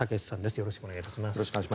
よろしくお願いします。